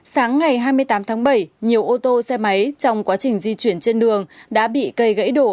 sáng ngày hai mươi tám tháng bảy nhiều ô tô xe máy trong quá trình di chuyển trên đường đã bị cây gãy đổ